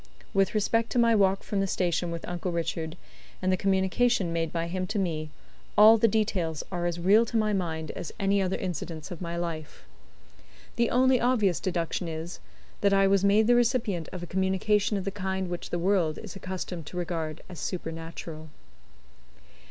With respect to my walk from the station with Uncle Richard, and the communication made by him to me, all the details are as real to my mind as any other incidents of my life. The only obvious deduction is, that I was made the recipient of a communication of the kind which the world is accustomed to regard as supernatural.